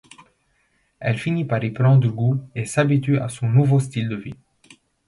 Elle finit par y prendre goût et s'habitue à son nouveau style de vie.